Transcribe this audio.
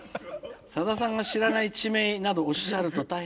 「さださんが知らない地名などおっしゃると大変ですよね」。